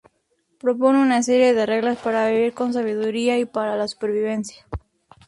Propone una serie de reglas para vivir con sabiduría y para la supervivencia.